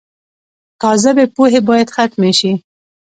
کاذبې پوهې باید ختمې شي.